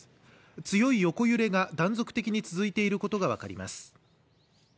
強い横揺れが断続的に続いていることが分かります